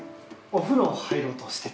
お風呂入ろうとしてて。